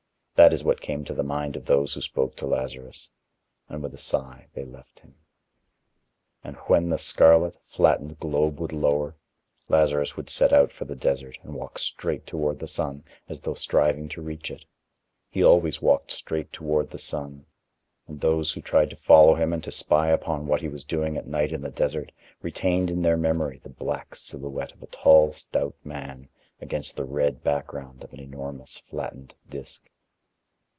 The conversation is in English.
That is what came to the mind of those who spoke to Lazarus, and with a sigh they left him. And when the scarlet, flattened globe would lower, Lazarus would set out for the desert and walk straight toward the sun, as though striving to reach it. He always walked straight toward the sun and those who tried to follow him and to spy upon what he was doing at night in the desert, retained in their memory the black silhouette of a tall stout man against the red background of an enormous flattened disc.